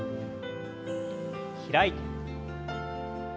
開いて。